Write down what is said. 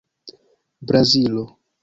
Brazilo